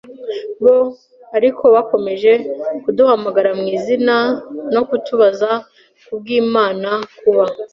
bo. Ariko bakomeje kuduhamagara mwizina no kudutabaza, kubwImana, kuba